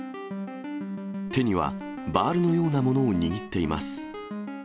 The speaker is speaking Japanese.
手には、バールのようなものを握っています。